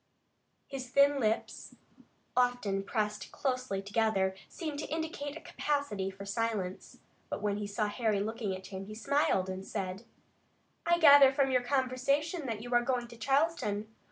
His thin lips, often pressed closely together, seemed to indicate a capacity for silence, but when he saw Harry looking at him he smiled and said: "I gather from your conversation that you are going to Charleston.